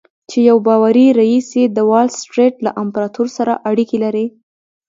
چې يو باوري رييس يې د وال سټريټ له امپراتور سره اړيکې لري.